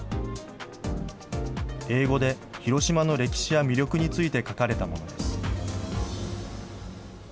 英語で広島の歴史や魅力について書かれたものです。